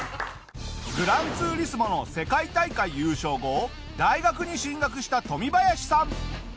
『グランツーリスモ』の世界大会優勝後大学に進学したトミバヤシさん。